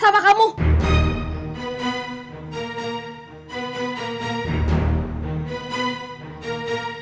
tidak mungkin kita